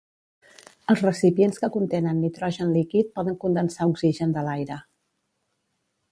Els recipients que contenen nitrogen líquid poden condensar oxigen de l'aire.